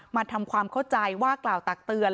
มาทำความเข้าใจว่ากล่าวตักเตือน